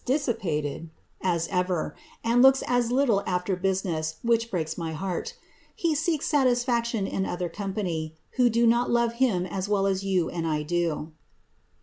e, dissipated) as ever, and looks as little aAer business, which breaks my heart ; he seeks satisfaction in other company, who do not love him as well as you and 1 do.''